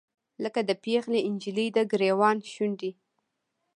لکه د پیغلې نجلۍ، دګریوان شونډې